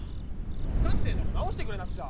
分かってんなら直してくれなくちゃ。